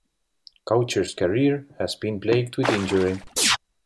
Goucher's career has been plagued with injury.